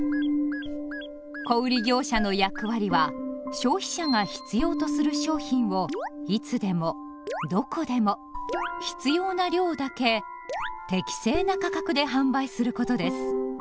小売業者の役割は消費者が必要とする商品をいつでもどこでも必要な量だけ適正な価格で販売することです。